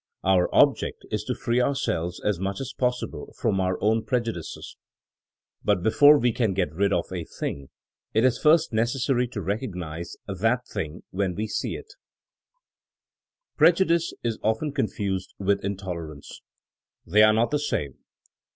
Our object is to free ourselves as much as possible from our own prejudices. But before we can get rid of a thing it is first necessary to recognize that thing when we see it. 1 Essay, Over Legislation, THINEINO AS A 80IEN0E 101 Prejudice is often confused with intolerance. They are not the same.